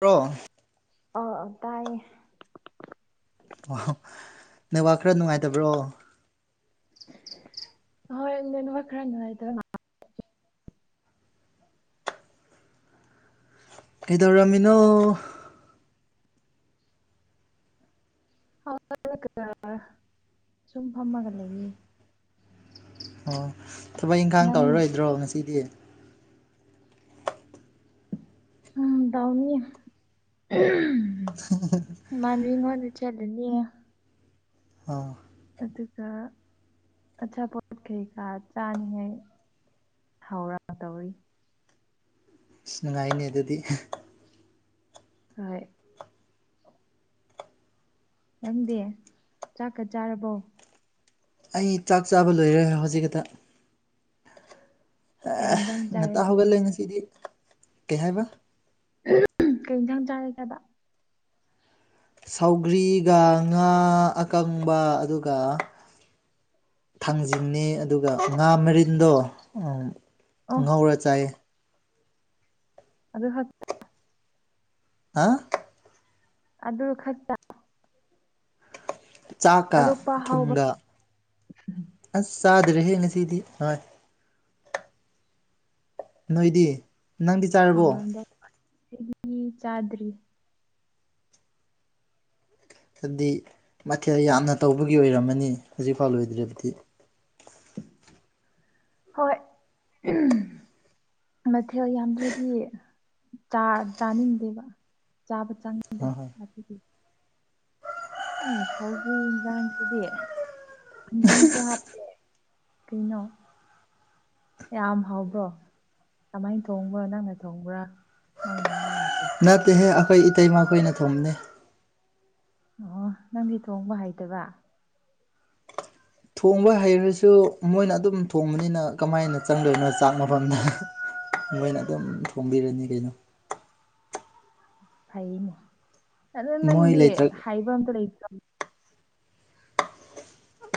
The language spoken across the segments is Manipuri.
ꯔꯣ ꯑ ꯑ ꯇꯥꯏ ꯑꯣ ꯅ ꯋꯥ ꯈꯔ ꯅꯨꯡꯉꯥꯏꯇꯕ꯭ꯔꯣ ꯍ ꯅ ꯅꯨ ꯋꯥꯈ꯭ꯔꯅꯨꯡꯥꯏ ꯀꯣꯏꯗꯣꯏꯔꯝꯃꯤꯅꯣ [unintelligible] ꯁꯨꯝ ꯐꯝꯃꯒ ꯂꯩꯌꯦ ꯑꯣ ꯊꯕꯛ ꯏꯪꯈꯥꯡ ꯅꯪꯗꯤ ꯇꯧꯔꯔꯣꯏꯗ꯭ꯔꯣ ꯉꯁꯤꯗꯤ ꯎ ꯇꯎꯅꯤ ꯍ ꯃꯥꯕꯤ ꯍꯣꯗ ꯏ ꯆꯦꯠꯅꯤ ꯑꯥ ꯑꯗꯨꯒ ꯑꯆꯥꯄꯣꯠ ꯀꯩꯀꯥ ꯆꯥꯅꯤꯡꯉꯩ ꯍꯥꯎꯔ ꯇꯧꯔꯤ ꯑꯁ ꯅꯨꯡꯉꯥꯏꯅꯤ ꯑꯗꯨꯗꯤ ꯍꯣꯏ ꯅꯪꯗꯦ ꯆꯥꯛꯀ ꯆꯥꯔꯕꯣ ꯑꯩ ꯆꯥꯛ ꯆꯥꯕ ꯂꯣꯏꯔꯦ ꯍꯧꯖꯤꯛ ꯍꯛꯇ ꯀꯩ ꯏꯟꯖꯥꯡ ꯉꯥꯛꯇꯥ ꯆꯥꯔꯒꯦ ꯍꯧꯒꯠꯂꯦ ꯉꯁꯤꯗꯤ ꯀꯩ ꯍꯥꯏꯕ ꯀꯩ ꯌꯦꯟꯖꯥꯡ ꯆꯥꯔꯥꯒꯦꯕ ꯁꯧꯒ꯭ꯔꯤꯒ ꯉꯥ ꯑꯀꯪꯕ ꯑꯗꯨꯒ ꯊꯥꯡꯖꯤꯡꯅꯤ ꯑꯗꯨꯒ ꯉꯥ ꯃꯔꯤꯟꯗꯣ ꯑꯣ ꯉꯧꯔ ꯆꯥꯏ ꯑꯗꯨꯍꯛ ꯍꯥꯥ ꯑꯗꯨ ꯈꯠꯇ ꯆꯥꯛꯀ ꯑꯇꯣꯞꯄ ꯍꯥꯎꯕ ꯊꯨꯝꯒ ꯑꯁ ꯆꯥꯗ꯭ꯔꯦꯍꯦꯛ ꯉꯁꯤꯗꯤ ꯍꯣꯏ ꯅꯣꯏꯗꯤ ꯅꯪꯗꯤ ꯆꯥꯔꯕꯣ ꯍꯥꯎꯔꯝꯗꯧ ꯃꯥꯜ [unintelligible] ꯆꯥꯗ꯭ꯔꯤ ꯑꯠꯗꯤ ꯃꯊꯦꯜ ꯌꯥꯝꯅ ꯇꯧꯕꯒꯤ ꯑꯣꯏꯔꯝꯃꯅꯤ ꯍꯧꯖꯤꯛꯐꯥꯎ ꯂꫭꯏꯗ꯭ꯔꯗꯤ ꯍꯣꯏ ꯃꯊꯦꯜ ꯌꯥꯝꯗ꯭ꯔꯗꯤ ꯆꯥꯅꯤꯡꯗꯦꯕ ꯆꯥꯕ ꯆꯥꯅꯤꯡ ꯍꯥ ꯍꯥ ꯑꯩ ꯁꯧꯒ꯭ꯔꯤ ꯌꯦꯟꯁꯥꯡꯁꯤꯗꯤ ꯈꯖꯤꯡꯁꯨ ꯍꯥꯞꯇꯦ ꯀꯩꯅꯣ ꯌꯥꯝ ꯍꯥꯎꯕ꯭ꯔꯣ ꯀꯃꯥꯏꯅ ꯊꯣꯡꯕ꯭ꯔꯣ ꯅꯪꯅ ꯊꯣꯡꯕ꯭ꯔꯥ ꯃꯥꯒꯤꯅ ꯃꯥꯜꯂꯦ ꯅꯠꯇꯦꯍꯦ ꯑꯩꯈꯣꯏ ꯏꯇꯩ ꯃꯈꯣꯏꯅ ꯊꫭꯡꯕꯅꯦ ꯑꯣ ꯅꯪꯗꯤ ꯊꯣꯡꯕ ꯍꯩꯇꯕ ꯊꯣꯡꯕ ꯍꯩꯔꯁꯨ ꯃꯣꯏꯅ ꯑꯗꯨꯝ ꯊꯣꯡꯕꯅꯤꯅ ꯀꯃꯥꯏꯅ ꯆꯪꯗꯣꯏꯕꯅꯣ ꯆꯥꯛꯅꯐꯝꯗ ꯃꯣꯏꯅ ꯑꯗꯨꯝ ꯊꫭꯡꯕꯤꯔꯅꯤ ꯀꯩꯅꯣ ꯐꯅꯦ ꯑꯗꯨ ꯃꯣꯏ ꯅꯪꯗꯤ ꯂꯩꯇ꯭ꯔ ꯍꯥꯏꯕ ꯑꯝꯇ ꯂꯩꯇ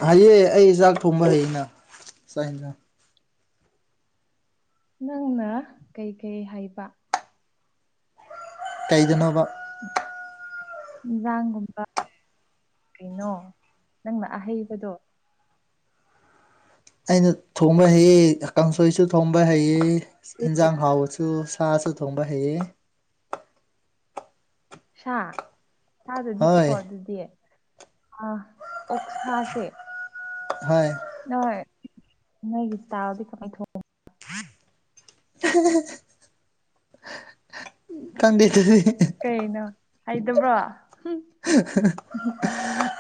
ꯍꯥꯏꯌꯦ ꯑꯩ ꯆꯥꯛ ꯊꯣꯡꯕ ꯍꯩꯩꯅ ꯆꯥꯛ ꯍꯟꯖꯥꯛ ꯅꯪꯅ ꯀꯩ ꯀꯩ ꯍꯩꯏꯕ ꯀꯩꯗꯅꯕ ꯏꯟꯖꯥꯡꯒꯨꯝꯕ ꯑ ꯀꯩꯅꯣ ꯅꯪꯅ ꯑꯍꯩꯕꯗꯣ ꯑꯩꯅ ꯊꯣꯡꯕ ꯍꯩꯑ ꯀꯥꯡꯁꯣꯏꯁꯨ ꯊꯣꯡꯕ ꯍꯩꯑ ꯌꯦꯟꯖꯥꯡ ꯍꯥꯎꯁ ꯁꯨ ꯁꯥꯁꯨ ꯊꯣꯡꯕ ꯍꯩꯌꯦ ꯁꯥ ꯁꯥꯗꯨꯗꯤꯀꯣ ꯍꯣꯏ ꯑꯗꯨꯗꯤ ꯑ ꯑꯣꯛꯁꯥꯁꯦ ꯍꯣꯏ ꯅꯣꯏ ꯅꯣꯏꯒꯤꯁꯨ ꯇꯥꯔꯗꯤ ꯀꯃꯥꯏ ꯊꯣꯡꯉ ꯀꯗꯗꯤ ꯀꯩꯅꯣ ꯍꯩꯇꯕ꯭ꯔꯣ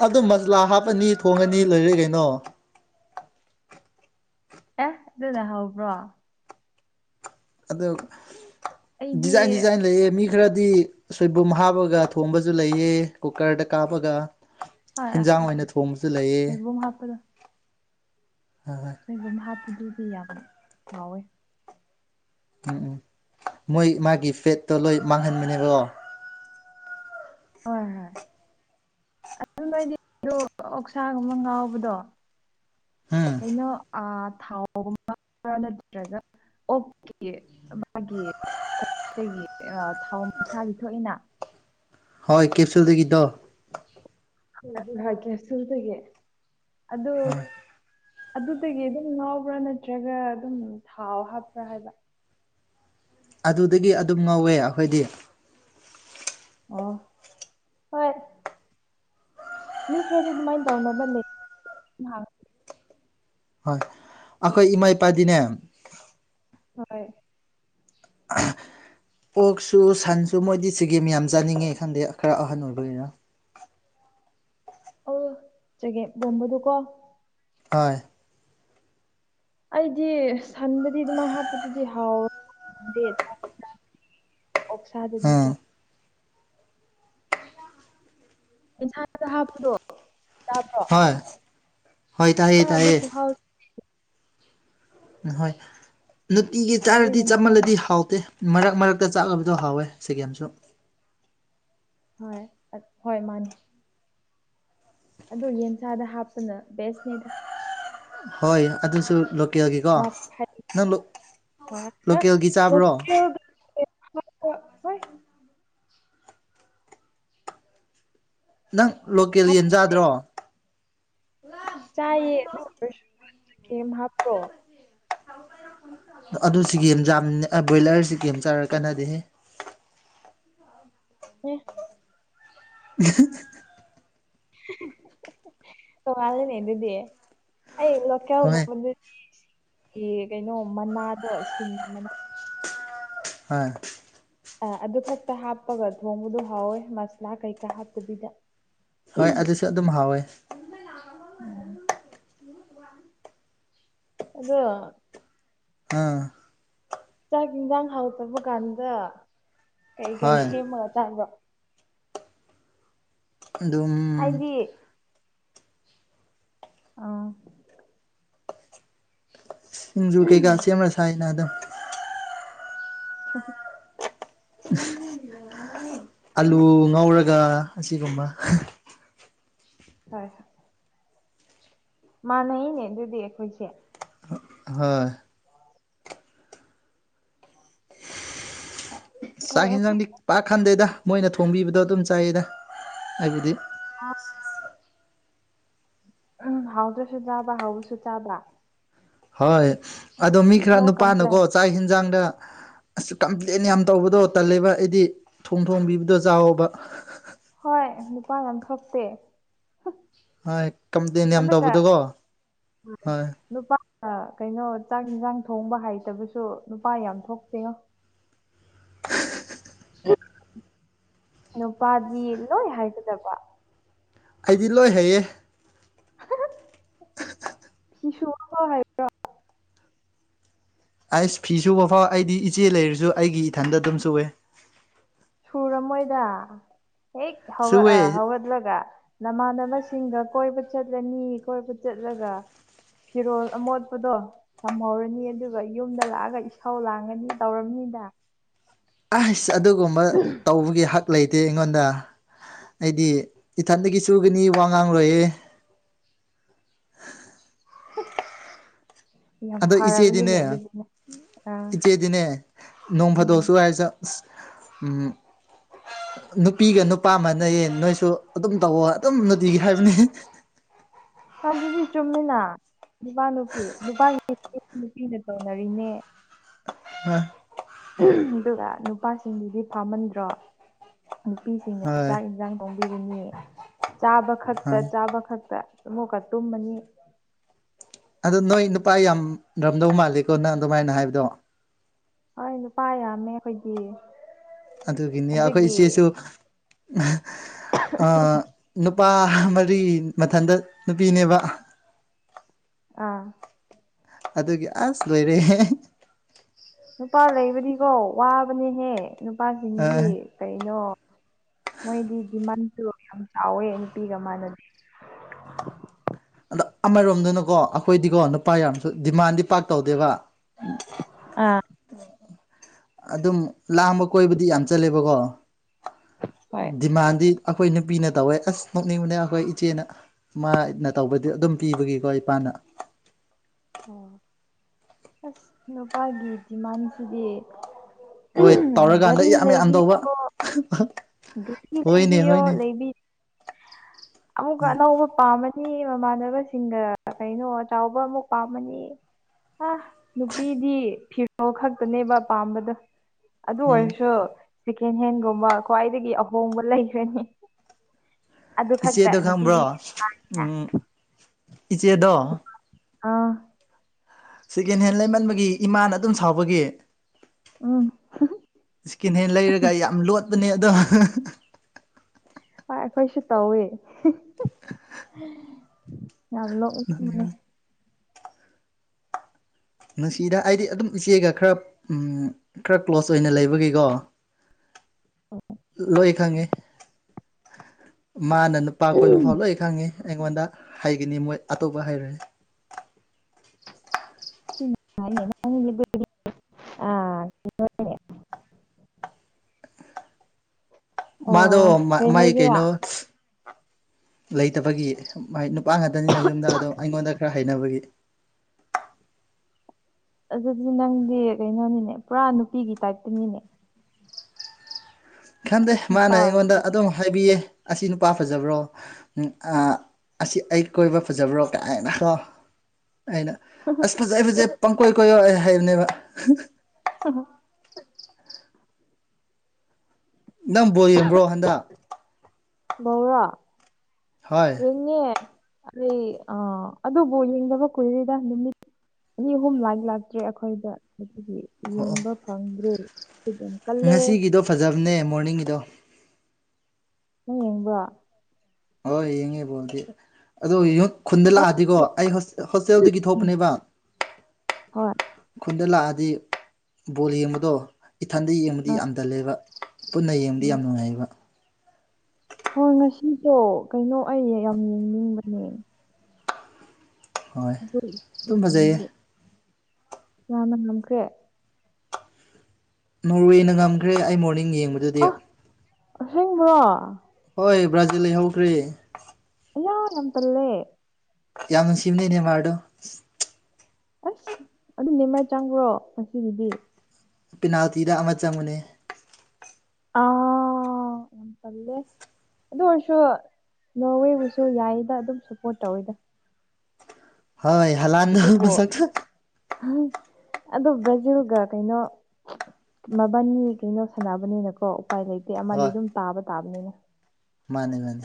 ꯑꯗꯨ ꯃꯁꯂꯥ ꯍꯥꯞꯄꯅꯤ ꯊꯣꯡꯉꯅꯤ ꯂꯣꯏꯔꯦ ꯀꯩꯅꯣ ꯑꯦ ꯑꯗꯨꯅ ꯍꯎꯕ꯭ꯔꯣ ꯑꯗ ꯑꯩꯗꯤ ꯗꯤꯖꯥꯏꯟ ꯗꯤꯖꯥꯏꯟ ꯂꯩꯌꯦ ꯃꯤ ꯈꯔꯗꯤ ꯁꯣꯏꯕꯨꯝ ꯍꯥꯞꯕꯒ ꯊꯣꯡꯕꯁꯨ ꯂꯩꯑꯦ ꯀꯨꯛꯀꯔꯗ ꯀꯥꯞꯄꯒ ꯍꯣꯏ ꯍꯦꯟꯖꯥꯡ ꯍꯣꯏ ꯑꯣꯏꯅ ꯍꯣꯏ ꯊꯣꯡꯕꯁꯨ ꯂꯩꯌꯦ ꯁꯣꯏꯕꯨꯝ ꯍꯥꯞꯄꯗꯣ ꯍ ꯍꯣꯏ ꯁꫭꯏꯕꯨꯝ ꯍꯥꯞꯄꯗꯨꯗꯤ ꯌꯥꯝ ꯉꯥꯎꯋꯦ ꯎꯝ ꯎꯝ ꯃꯣꯏ ꯃꯥꯒꯤ ꯐꯦꯠꯇꯣ ꯂꯣꯏ ꯃꯥꯡꯍꯟꯕꯅꯦꯔꯣ ꯍꯣꯏ ꯍꯣꯏ ꯑꯗꯨ ꯅꯣꯏꯗꯤ ꯑꯣꯛꯁꯥꯒꯨꯝꯕ ꯉꯥꯎꯕꯗꯣ ꯎꯝ ꯀꯩꯅꯣ ꯊꯥꯎꯒꯨꯝꯕ ꯈꯔ ꯅꯠꯇ꯭ꯔꯒ ꯑꯣꯀꯦ ꯃꯥꯒꯤ ꯑꯗꯒꯤ ꯊꯥꯎ ꯃꯁꯥꯗꯤ ꯊꯣꯛꯏꯅ ꯍꯣꯏ ꯀꯦꯞꯁꯨꯜꯗꯒꯤꯗꯣ ꯍꯥꯏ ꯀꯦꯁꯨꯜꯗꯒꯤ ꯑꯗꯨ ꯑꯗꯨꯗꯒꯤ ꯑꯗꯨꯝ ꯉꯥꯎꯕ꯭ꯔꯥ ꯅꯠꯇ꯭ꯔꯒ ꯑꯗꯨꯝ ꯊꯥꯎ ꯍꯥꯞꯄ꯭ꯔꯥ ꯍꯥꯏꯕ ꯑꯗꯨꯗꯒꯤ ꯑꯗꯨꯝ ꯉꯧꯋꯦ ꯑꯩꯈꯣꯏꯗꯤ ꯑꯣ ꯍꯣꯏ ꯃꯤ ꯈꯔꯗꯤ ꯑꯗꯨꯃꯥꯏꯅ ꯇꯧꯅꯕ꯭ꯔꯥꯅꯦ ꯍꯣꯏ ꯑꯈꯣꯏ ꯏꯃꯥ ꯏꯄꯥꯗꯤꯅꯦ ꯍꯣꯏ ꯑꯣꯛꯁꯨ ꯁꯟꯁꯨ ꯃꯣꯏꯗꯤ ꯆꯒꯦꯝ ꯌꯥꯝ ꯆꯥꯅꯤꯡꯉꯦ ꯈꯪꯗꯦ ꯈꯔ ꯑꯍꯟ ꯑꯣꯏꯕꯒꯤꯔ ꯑꯣ ꯆꯒꯦꯝ ꯕꯣꯝꯕꯗꯨ ꯀꯣ [unintelligible] ꯑꯩꯗꯤ ꯁꯟꯗꯗꯤ ꯑꯗꯨꯃꯥꯏꯅ ꯍꯥꯞꯄꯗꯨꯗꯤ ꯍꯥꯎꯋ ꯑꯣꯛꯁꯥꯗꯗꯤ ꯆꯥ ꯎꯝ ꯏꯟꯁꯥꯗ ꯍꯥꯞꯄꯗꯣ ꯇꯥꯕ꯭ꯔꯣ ꯍꯣꯏ ꯍꯣꯏ ꯇꯥꯏꯌꯦ ꯇꯥꯏꯌꯦ ꯑꯗꯨꯥꯎ ꯑꯍꯣꯏ ꯅꯨꯡꯇꯤꯒꯤ ꯑꯗꯨ ꯆꯥꯏꯔꯗꯤ ꯌꯦꯟꯁꯥꯗ ꯆꯃꯜꯂꯗꯤ ꯍꯥꯎꯇꯦ ꯃꯔꯛ ꯃꯔꯛꯇ ꯆꯥꯛꯂꯕꯗꯣ ꯍꯥꯎꯋꯦ ꯆꯒꯦꯝꯁꯨ ꯍꯣꯏ ꯍꯣꯏ ꯃꯥꯅꯦ ꯑꯗꯨ ꯌꯦꯟ ꯁꯥꯗ ꯍꯥꯞꯄꯅ ꯕꯦꯁ ꯅꯤꯗ ꯍꯣꯏ ꯑꯗꯨꯁꯨ ꯂꯣꯛ ꯀꯦꯜꯒꯤꯒꯣ ꯃꯥ ꯅꯪ ꯂꯨ ꯂꯣꯀꯦꯜꯒꯤ ꯆꯥꯕ꯭ꯔꯣ ꯂꯣꯀꯦꯜꯗ [unintelligible] ꯅꯪ ꯂꯣꯀꯦꯜ ꯍꯥꯞꯄꯅꯦ ꯌꯦꯟꯖꯥꯗ꯭ꯔꯣ꯫ ꯆꯥꯏꯌꯦ ꯑꯗꯨ ꯑꯣꯏꯔꯁꯨ ꯆ ꯍꯥꯞꯄ꯭ꯔꯣ ꯑꯗꯨꯁꯤ ꯒꯦꯝ ꯖꯥꯝꯅ ꯑ ꯕꯣꯏꯂꯔꯁꯤ ꯀꯦꯝ ꯆꯥꯔ ꯀꯥꯟꯅꯗꯦꯍꯦ꯫ ꯍ [unintelligible] [unintelligible] [unintelligible] ꯑꯗꯨꯗꯤ ꯑꯩ ꯀꯌꯥꯒꯗꯤ ꯍꯣꯏ ꯁꯤꯡꯒꯤ ꯀꯩꯅꯣ ꯃꯅꯥꯗꯣ ꯁꯤꯡꯒꯤ ꯃꯅꯥ ꯍꯥꯝ ꯑ ꯑꯗꯨ ꯈꯛꯇ ꯍꯥꯞꯄꯒ ꯊꯣꯡꯕꯗꯣ ꯍꯥꯎꯋꯦ ꯃꯁꯂꯥ ꯀꯩꯀꯥ ꯍꯥꯞꯇꯕꯤꯗ ꯍꯣꯏ ꯑꯗꯨꯁꯨ ꯑꯗꯨꯝ ꯍꯥꯎꯋꯦ ꯎꯝ ꯑꯗꯣ ꯍꯥ ꯆꯥꯛ ꯌꯤꯟꯖꯥꯡ ꯍꯥꯎꯇꯕ ꯀꯥꯟꯗ ꯀꯩ ꯀꯩ ꯍꯣꯏ ꯁꯦꯝꯃꯒ ꯆꯥꯔꯨꯕ꯫ ꯑꯗꯨꯝ ꯍꯥꯏꯗꯤ ꯑꯥ ꯄꯤꯡꯁꯨ ꯀꯩꯀꯥ ꯁꯦꯝꯂ ꯁ ꯍꯥꯏꯅ ꯑꯗꯨꯝ [unintelligible] [unintelligible] ꯑꯥꯂꯨ ꯉꯧꯔꯒ ꯑꯁꯤꯒꯨꯝꯕ ꯍꯣꯏ ꯍꯣꯏ ꯃꯥꯥꯟꯅꯩꯅꯦ ꯑꯗꯨꯗꯤ ꯑꯩꯈꯣꯏꯁꯦ ꯍꯣꯏ ꯍꯣꯏ ꯆꯥꯛ ꯉꯁꯤ ꯌꯦꯟꯖꯥꯡꯗꯤ ꯄꯥꯛ ꯈꯟꯗꯦꯗ ꯃꯣꯏꯅ ꯊꯣꯡꯕꯤꯕꯗꯣ ꯑꯗꯨꯝ ꯆꯥꯏꯌꯦꯗ ꯍꯥꯏꯕꯗꯤ ꯑ [unintelligible] ꯎꯝ ꯍꯥꯎꯗ꯭ꯔꯁꯨ ꯆꯥꯕ꯭ꯔꯥ ꯍꯥꯎꯕꯁꯨ ꯆꯥꯕ꯭ꯔꯥ ꯍꯣꯏ ꯑꯗꯣ ꯃꯤ ꯈꯔ ꯅꯣ ꯅꯨꯄꯥꯅꯀꯣ ꯀꯝꯄ꯭ꯂꯦꯟ ꯆꯥꯛ ꯌꯦꯟꯖꯥꯡꯗ꯫ ꯑꯁ ꯀꯝꯄ꯭ꯂꯦꯟ ꯌꯥꯝ ꯇꯧꯕꯗꯣ ꯇꯜꯂꯦꯕ ꯑꯩꯗꯤ ꯊꯣꯡ ꯊꯣꯡꯕꯤꯕꯗꯣ ꯆꯥꯎꯋꯣꯕ꯫ ꯍꯣꯏ ꯅꯨꯄꯥꯒ ꯌꯥꯝ ꯊꯣꯛꯇꯦ ꯍꯣꯏ ꯀꯝꯗꯦꯟꯅꯦꯌꯝ ꯑꯗꯨꯒ ꯇꯧꯕꯗꯨꯀꯣ ꯍꯣꯏ꯫ ꯅꯨꯄꯥ ꯑ ꯀꯩꯅꯣ ꯆꯥꯛ ꯍꯤꯟꯖꯥꯡ ꯊꯣꯡꯕ ꯍꯩꯇꯕꯁꯨ ꯅꯨꯄꯥ ꯌꯥꯝ ꯊꯣꯛꯇꯦꯉꯣ꯫ ꯅꯨꯄꯥꯗꯤ ꯂꯣꯏ ꯍꯥꯏꯒꯗꯕ ꯑꯩꯗꯤ ꯂꯣꯏ ꯍꯩꯌꯦ ꯁꯤꯤꯁꯨ ꯍ ꯑꯩꯁ ꯐꯤ ꯁꯨꯕ ꯐꯥꯎ ꯑꯩꯗꯤ ꯏꯆꯦ ꯂꯩꯔꯁꯨ ꯑꯩꯒꯤ ꯏꯊꯟꯗ ꯑꯗꯨꯝ ꯆꯨꯏꯦ ꯁꯨꯔꯃꯣꯏꯗ ꯍꯦꯛ ꯁꯨꯋꯦ ꯍꯧꯒꯠꯑ ꯍꯧꯒꯠꯂꯒ ꯅꯃꯥꯟꯅꯕꯁꯤꯡꯒ ꯀꯣꯏꯕ ꯆꯠꯂꯅꯤ ꯀꯣꯏꯕ ꯆꯠꯂꯒ ꯐꯤꯔꯣꯜ ꯑꯃꯣꯠꯄꯗꯣ ꯇꯝꯍꯧꯔꯅꯤ ꯑꯗꯨꯒ ꯌꯨꯝꯗ ꯂꯥꯛꯑꯒ ꯏꯁꯥꯎ ꯂꯥꯡꯉꯅꯤ ꯇꯧꯔꯝꯅꯤꯗ ꯑꯁ ꯑꯗꯨꯒꯨꯝꯕ ꯇꯧꯕꯒꯤ ꯍꯛ ꯂꯩꯇꯦ ꯑꯩꯉꯣꯟꯗ ꯑꯩꯗꯤ ꯏꯊꯟꯗꯒꯤ ꯆꯨꯒꯅꯤ ꯋꯥ ꯉꯥꯡ ꯂꯣꯏꯌꯦꯦ ꯌꯥꯝ ꯑꯗꯣ ꯏꯆꯦꯗꯤꯅꯦ ꯐꯔꯕꯅꯤꯅꯦ ꯑꯗꯨꯗꯤ ꯅꯪ ꯑꯥ ꯏꯆꯦꯗꯤꯅꯦ ꯅꯣꯡ ꯎꯝ ꯐꯥꯗꯣꯛꯑꯁꯨ ꯍꯥꯏꯔꯁꯨ ꯎꯝ ꯅꯨꯄꯤꯒ ꯅꯨꯄꯥ ꯑꯃꯅꯌꯦꯟ ꯅꯣꯏꯁꯨ ꯑꯗꯨꯝ ꯇꯧꯑꯣ ꯑꯗꯨꯝ ꯅꯨꯡꯇꯤꯒꯤ ꯍꯥꯏꯕꯅꯦ ꯑꯗꯨꯗꯤ ꯆꯨꯝꯃꯤꯅ ꯅꯨꯄꯥ ꯅꯨꯄꯤ ꯅꯨꯄꯥꯒꯤ ꯅꯨꯄꯤꯅ ꯇꯧꯅꯔꯤꯅꯦ ꯍꯝ ꯑꯗꯨꯒ ꯅꯨꯄꯥꯁꯤꯡꯗꯨꯗꯤ ꯐꯥꯝꯃꯟꯗ꯭ꯔꯣ ꯅꯨꯄꯤꯁꯤꯡꯅ ꯍꯣꯏ ꯆꯥꯛ ꯌꯦꯟꯁꯥꯡ ꯆꯣꯡꯕꯤꯔꯅꯤꯌꯦ ꯆꯥꯕ ꯈꯛꯇ ꯍꯣꯏ ꯆꯥꯕ ꯈꯛꯇ ꯑꯃꯨꯛꯀ ꯇꯨꯝꯃꯅꯤ ꯑꯗ ꯅꯣꯏ ꯅꯨꯄꯥ ꯌꯥꯝꯔꯝꯗꯧ ꯃꯥꯜꯂꯦꯀꯣ ꯅꯪ ꯑꯗꯨꯃꯥꯏꯅ ꯍꯥꯏꯕꯗꯣ ꯍꯣꯏ ꯅꯨꯄꯥ ꯌꯥꯝꯃꯦ ꯑꯩꯈꯣꯏꯗꯤ ꯑꯗꯨꯒꯤꯅꯤ ꯑꯩꯈꯣꯏ ꯑꯗꯨꯒꯤ ꯏꯆꯦꯁꯨ ꯅꯨꯄꯥ ꯃꯔꯤ ꯃꯊꯟꯇ ꯅꯨꯄꯤꯅꯦꯕ ꯑꯥ ꯑꯗꯨꯒꯤ ꯑꯁ ꯂꯣꯏꯔꯦ ꯅꯨꯄꯥ ꯂꯩꯕꯅꯤꯀꯣ ꯋꯥꯕꯅꯦꯍꯦ ꯅꯨꯄꯥꯁꯤꯡꯗꯤ ꯑꯥ ꯀꯩꯅꯣ ꯃꯣꯏꯗꯤ ꯗꯤꯃꯥꯟꯁꯨ ꯌꯥꯝ ꯆꯥꯎꯋꯦ ꯅꯨꯄꯤꯒ ꯃꯥꯥꯟꯅꯗ ꯑꯗꯣ ꯑꯃꯔꯣꯝꯗꯅꯀꯣ ꯑꯩꯈꯣꯏꯗꯤꯀꯣ ꯅꯨꯄꯥ ꯌꯥꯝꯁꯨ ꯗꯤꯃꯥꯟꯗꯤ ꯄꯥꯛ ꯇꯧꯗꯦꯕ ꯑꯥ ꯑꯗꯨꯝ ꯂꯥꯡꯝꯕ ꯀꯣꯏꯕꯗꯤ ꯌꯥꯝ ꯆꯜꯂꯦꯕꯀꯣ ꯍꯣꯏ ꯗꯤꯃꯥꯟꯗꯤ ꯑꯩꯈꯣꯏ ꯅꯨꯄꯤꯅ ꯇꯧꯋꯦ ꯑꯁ ꯅꯣꯛꯅꯤꯡꯕꯅꯦ ꯑꯩꯈꯣꯏ ꯏꯆꯦꯅ ꯃꯥꯅ ꯇꯧꯕꯗꯤ ꯑꯗꯨꯝ ꯄꯤꯕꯒꯤꯀꯣ ꯏꯄꯥꯅ ꯑꯣ ꯑꯁ ꯅꯨꯄꯥꯒꯤ ꯗꯤꯃꯥꯟꯁꯤꯗꯤ ꯍꯣꯏ ꯇꯧꯔꯀꯥꯟꯗ ꯒꯥꯔꯤ ꯌꯥꯝ ꯌꯥꯝ ꯂꯩꯕꯤꯔꯣ [unintelligible] ꯒꯥꯔꯤ ꯍꯣꯏꯅꯦ ꯂꯩꯕꯤꯌꯣ ꯍꯣꯏꯅꯦ ꯂꯩꯕꯤꯌꯣ ꯑꯃꯨꯛꯀ ꯑꯅꯧꯕ ꯄꯥꯝꯃ ꯃꯤ ꯃꯃꯥꯟꯅꯕꯁꯤꯡꯒ ꯀꯩꯅꯣ ꯆꯥꯎꯕ ꯑꯃꯨꯛ ꯄꯥꯝꯃꯅꯤ ꯑ ꯅꯨꯄꯤꯗꯤ ꯐꯤꯔꯣꯜ ꯈꯛꯇꯅꯦꯕ ꯄꯥꯝꯕꯗ ꯑꯗꯨ ꯎꯝ ꯑꯣꯏꯔꯁꯨ ꯁꯦꯀꯦꯟ ꯍꯦꯟꯒꯨꯝꯕ ꯈ꯭ꯋꯥꯏꯗꯒꯤ ꯑꯍꯣꯡꯕ ꯂꯩꯈ꯭ꯔꯅꯤ ꯑꯗꯨ ꯈꯛꯇ ꯅꯨꯄꯤꯗꯤ ꯏꯆꯦꯗ ꯑꯥ ꯁꯦꯀꯦꯟ ꯍꯦꯟ ꯂꯩꯃꯟꯕꯒꯤ ꯏꯃꯥꯅ ꯑꯗꯨꯝ ꯁꯥꯎꯕꯒꯤ ꯎ ꯏꯁꯀꯤꯟ ꯍꯦ ꯂꯩꯔꯒ ꯌꯥꯝ ꯂꯣꯠꯄꯅꯦ ꯑꯗꯣ ꯍꯣꯏ ꯑꯩꯈꯣꯏꯁꯨ ꯇꯧꯋ ꯌꯥꯝ ꯅꯣꯛꯅꯤꯡꯕꯅꯦ ꯁꯅꯅꯅꯦ ꯅꯨꯡꯁꯤꯗ ꯍꯥꯏꯗꯤ ꯑꯗꯨꯝ ꯏꯆꯦꯒ ꯈꯔ ꯎ ꯈꯔ ꯀ꯭ꯂꯣꯖ ꯑꯣꯏꯅ ꯂꯩꯕꯒꯤꯀꯣ ꯂꯣꯏ ꯈꯪꯉꯦ ꯃꯥꯅ ꯅꯨꯄꯥ ꯀꯣꯏꯕ ꯐꯥꯎ ꯂꯣꯏ ꯑꯩ ꯈꯪꯉꯤ ꯑꯩꯉꯣꯟꯗ ꯍꯩꯒꯅꯤ ꯃꯣꯏ ꯑꯇꯣꯞꯄ ꯍꯩꯔꯦ ꯑ ꯃꯥꯗꯣ ꯑꯥ ꯀꯩ ꯃꯥꯥꯏ ꯍꯥꯏꯒꯦꯔꯥ ꯀꯩꯩꯅꯣ ꯂꯩꯇꯕꯒꯤ ꯅꯨꯄꯥ ꯉꯥꯛꯇꯅꯤꯅ ꯌꯨꯝꯗ ꯑꯗꯣ ꯑꯩꯉꯣꯟꯗ ꯈꯔ ꯍꯩꯅꯕꯒꯤ ꯑꯗꯨꯗꯤ ꯅꯪꯗꯤ ꯀꯩꯅꯣꯅꯤꯅꯦ ꯄꯨꯔꯥ ꯅꯨꯄꯤꯒꯤ ꯇꯥꯏꯞꯇꯅꯤꯅꯦ ꯈꯪꯗꯦ ꯅꯨꯄꯥ ꯃꯥꯅ ꯑꯩꯉꯣꯟꯗ ꯑꯣꯏꯔꯁꯨ ꯑꯗꯨꯝ ꯍꯥꯏꯕꯤꯌꯦ ꯑꯁꯤ ꯅꯨꯄꯥ ꯐꯖꯕ꯭ꯔꯣ ꯑꯁꯤ ꯑꯩ ꯀꯣꯏꯕ ꯐꯖꯕ꯭ꯔꯣ ꯀꯥꯏꯅꯀꯣ ꯑꯩꯅ ꯑꯁ ꯐꯖꯩ ꯐꯖꯩ ꯄꯪꯀꯣꯏ ꯀꯣꯏꯌꯣ ꯍꯥꯏꯕꯅꯦꯕ ꯍꯣ ꯅꯪꯝꯕ꯭ꯔꯣ ꯌꯦꯡꯕ꯭ꯔꯣ ꯍꯟꯗꯛ ꯧꯔ ꯍꯣꯏ ꯌꯦꯡꯉꯦ ꯑꯩ ꯑꯥ ꯑꯗꯨꯕꯨ ꯌꯦꯡꯗꯕ ꯀꯨꯏꯔꯤꯗ ꯅꯨꯃꯤꯠ ꯑꯅꯤ ꯑꯍꯨꯝ ꯂꯥꯏꯛ ꯂꯥꯛꯇ꯭ꯔꯦ ꯑꯩꯈꯣꯏꯗ ꯑꯗꯨꯗꯤ ꯑꯣ ꯑꯣ ꯌꯦꯡꯕ ꯐꯪꯗ꯭ꯔꯦ ꯀꯜꯂꯦ ꯉꯁꯤꯒꯤꯗꯣ ꯐꯖꯕꯅꯦ ꯃꯣꯔꯅꯤꯡꯒꯤꯗꯣ ꯅꯪ ꯌꯦꯡꯕ ꯍ ꯌꯦꯡꯉꯕꯣꯜꯗꯤ ꯑꯗꯣ ꯌꯦꯉ ꯈꯨꯟꯗ ꯎꯝ ꯂꯥꯛꯑꯗꯤꯀꯣ ꯑꯩ ꯍꯣꯁꯇꯦꯜꯗꯒꯤ ꯊꯣꯛꯄꯅꯦꯕ ꯍꯣꯏ ꯈꯨꯟꯗ ꯂꯥꯛꯑꯗꯤ ꯕꯣꯜ ꯌꯦꯡꯕꯗꯣ ꯏꯊꯟꯗ ꯌꯦꯡꯕꯗꯤ ꯑ ꯑ. ꯌꯥꯝꯊꯜꯂꯦꯕ ꯄꯨꯟꯅ ꯌꯦꯡꯕꯗꯤ ꯌꯥꯝ ꯅꯨꯡꯉꯥꯏꯌꯦꯕ ꯍꯣꯏ ꯉꯁꯤꯗꯣ ꯀꯩꯅꯣ ꯑꯩ ꯌꯥꯝ ꯌꯦꯡꯅꯤꯡꯕꯅꯦ ꯍꯣꯏ ꯑꯗꯨꯝ ꯐꯖꯩꯌꯦ ꯌꯥꯝꯅ ꯉꯝꯈ꯭ꯔꯦ ꯅꯣꯔꯋꯦꯅ ꯉꯝꯈ꯭ꯔꯦ ꯑꯩ ꯃꯣꯔꯅꯤꯡ ꯌꯦꯡꯕꯗꯨꯗꯤ ꯍꯦꯡꯕ꯭ꯔꯣ ꯍꯣꯏ ꯕ꯭ꯔꯥꯖꯤꯜ ꯂꯩꯍꯧꯈ꯭ꯔꯦ ꯌꯥ ꯌꯥꯝ ꯄꯜꯂꯦ ꯌꯥ ꯌꯥꯝ ꯁꯤꯃꯅꯦꯅꯦ ꯃꯥꯨ ꯑꯁ ꯑꯗꯨꯝ ꯅꯦꯝꯃꯥꯏ ꯆꯪꯕ꯭ꯔꯣ ꯉꯁꯤꯒꯤꯗꯤ ꯄꯤꯅꯥꯜꯇꯤꯗ ꯑꯃ ꯆꯪꯨꯅꯦ ꯑꯥ ꯑꯣꯟꯄꯜꯦ ꯑꯗꯨ ꯑꯣꯏꯔꯁꯨ ꯅꯣꯋꯦꯕꯨꯁꯨ ꯌꯥꯏꯗ ꯑꯗꯨꯝ ꯁꯞꯄꯣꯔꯠ ꯇꯧꯋꯤꯗ ꯍꯣꯏ ꯍꯂꯗ ꯃꯁꯛ ꯑ ꯑꯗꯣ ꯕ꯭ꯔꯥꯖꯤꯜꯒ ꯀꯩꯅꯣ ꯃꯕꯥꯅꯤ ꯀꯩꯅꯣ ꯁꯥꯟꯅꯕꯅꯤꯅꯀꯣ ꯎꯄꯥꯏ ꯂꯩꯇꯦ ꯑꯃꯗꯤ ꯍꯣꯏ ꯑꯗꯨꯝ ꯇꯥꯕ ꯇꯥꯕꯅꯤꯅ ꯃꯥꯅꯦ ꯃꯥꯅꯦ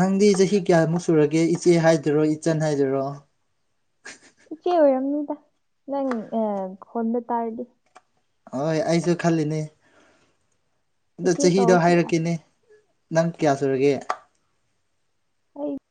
ꯅꯪꯗꯤ ꯆꯍꯤ ꯀꯌꯥꯃꯨꯛ ꯁꯨꯔꯒꯦ ꯏꯆꯦ ꯍꯥꯏꯗꯣꯏꯔꯣ ꯏꯆꯟ ꯍꯥꯏꯗꯣꯏꯔꯣ ꯏꯆꯦ ꯑꯣꯏꯔꯝꯅꯤꯗ ꯅꯪ ꯍꯣꯟꯕ ꯇꯥꯔꯗꯤ ꯍꯣꯏ ꯑꯩꯁꯨ ꯈꯂꯤꯅꯦ ꯑꯗꯣ ꯏꯆꯦ ꯆꯍꯤꯗꯣ ꯀꯧꯔꯁꯨ ꯌꯥꯏ ꯍꯥꯏꯔꯛꯀꯦꯅꯦ ꯅꯪ ꯀꯌꯥ ꯁꯨꯔꯒꯦ ꯍꯣꯏ